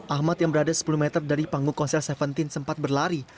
ahmad yang berada sepuluh meter dari panggung konser tujuh belas sempat berlari